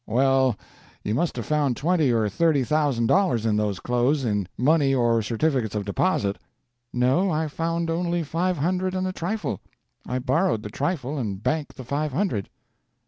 "Well, you must have found twenty or thirty thousand dollars in those clothes, in money or certificates of deposit." "No, I found only five hundred and a trifle. I borrowed the trifle and banked the five hundred."